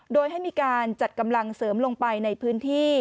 โดยให้มีการจัดกำลังเสริมลงไปในพื้นที่